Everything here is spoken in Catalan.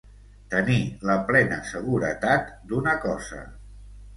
Tenir la plena seguretat d'una cosa.